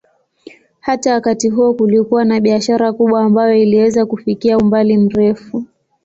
Hata wakati huo kulikuwa na biashara kubwa ambayo iliweza kufikia umbali mrefu.